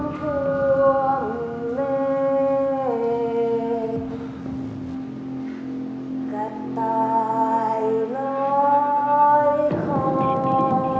จะตายร้อยคอมาหลอกกอดคอยกเย